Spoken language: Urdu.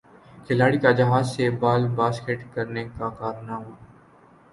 کھلاڑی کا جہاز سے بال باسکٹ کرنے کا کارنامہ